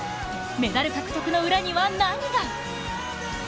メダル獲得の裏には何が。